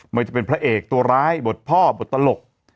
ไม่จะเป็นพระเอกตัวร้ายบทพ่อบทตลก